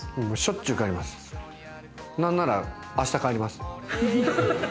なんなら明日帰ります。